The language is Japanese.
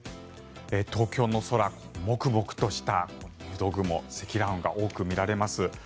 東京の空もくもくとした入道雲積乱雲が多く見られます。